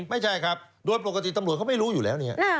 ไม่ใช่ครับโดยปกติตำรวจเขาไม่รู้อยู่แล้วเนี่ย